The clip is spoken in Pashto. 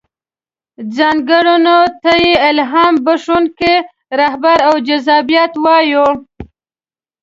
ځانګړنو ته يې الهام بښونکې رهبري او جذابيت وايو.